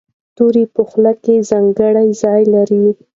توری په خوله کې ځانګړی ځای لري.